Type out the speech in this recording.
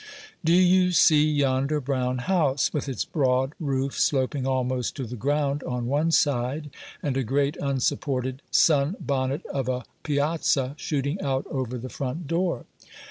Do you see yonder brown house, with its broad roof sloping almost to the ground on one side, and a great, unsupported, sun bonnet of a piazza shooting out over the front door?